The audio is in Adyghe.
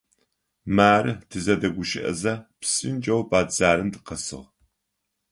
Мары, тызэдэгущыӏэзэ, псынкӏэу бэдзэрым тыкъэсыгъ.